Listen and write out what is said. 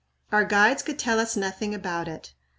Our guides could tell us nothing about it.